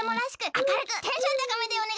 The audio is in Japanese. あかるくテンションたかめね。